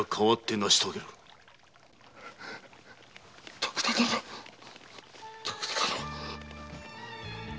徳田殿徳田殿！